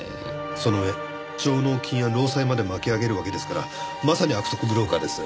その上上納金や労災まで巻き上げるわけですからまさに悪徳ブローカーです。